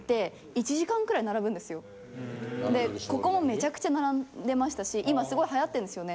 ここもめちゃくちゃ並んでましたし今すごい流行ってるんですよね。